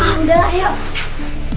ah udah lah yuk